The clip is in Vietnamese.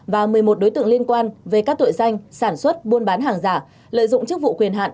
và một mươi một đối tượng liên quan về các tội danh sản xuất buôn bán hàng giả lợi dụng chức vụ quyền hạn